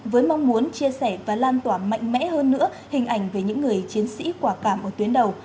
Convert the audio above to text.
với mong muốn chia sẻ và lan tỏa mạnh mẽ hơn nữa hình ảnh về những người chiến sĩ quả cảm ở tuyến đầu